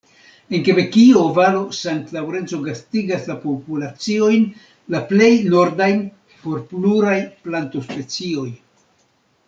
En Kebekio, valo Sankt-Laŭrenco gastigas la populaciojn la plej nordajn por pluraj plantospecioj.